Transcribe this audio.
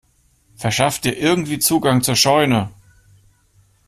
Verschaff dir irgendwie Zugang zur Scheune!